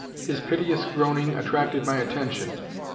His piteous groaning attracted my attention.